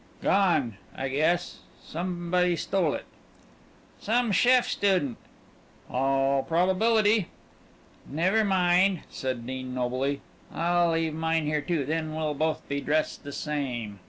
"Gone, I guess. Somebody stole it." "Some Sheff student." "All probability." "Never mind," said Dean, nobly. "I'll leave mine here too then we'll both be dressed the same."